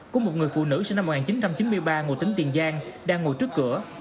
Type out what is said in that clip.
của một người phụ nữ sinh năm một nghìn chín trăm chín mươi ba ngụ tính tiền giang đang ngồi trước cửa